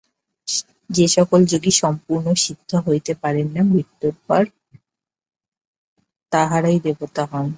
যে-সকল যোগী সম্পূর্ণ সিদ্ধ হইতে পারেন না, মৃত্যুর পর তাঁহারাই দেবতা হন।